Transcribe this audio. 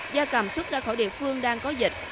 gia cầm xuất ra khỏi địa phương đang có dịch